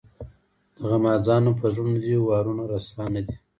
د غمازانو پر زړونو دي وارونه رسا نه دي.